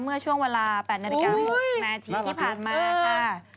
เมื่อช่วงเวลา๘นาฬิกา๖นาทีที่ผ่านมาค่ะ